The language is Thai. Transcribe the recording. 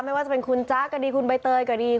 ไม่ว่าจะเป็นคุณจ๊าคซ์ก็ดีคุณใบเตยอยู่ไหน